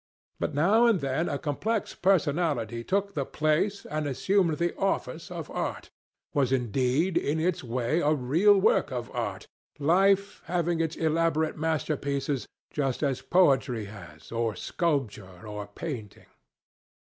But now and then a complex personality took the place and assumed the office of art, was indeed, in its way, a real work of art, life having its elaborate masterpieces, just as poetry has, or sculpture, or painting.